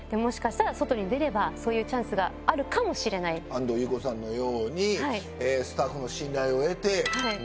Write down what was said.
安藤優子さんのようにスタッフの信頼を得て。